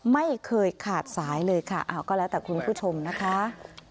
ไม่เคยขาดสายเลยค่ะก็แล้วแต่คุณผู้ชมนะคะ